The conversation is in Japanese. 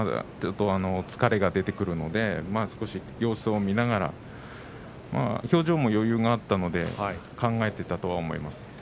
疲れが出てくるので少し様子を見ながら表情も余裕があったので考えていたと思います。